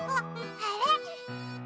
あれ？